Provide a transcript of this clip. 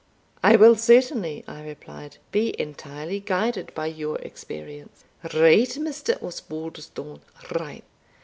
"I will certainly," I replied, "be entirely guided by your experience." "Right, Mr. Osbaldistone right.